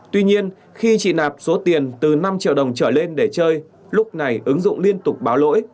tuy nhiên khi chị nạp số tiền từ năm triệu đồng trở lên để chơi lúc này ứng dụng liên tục báo lỗi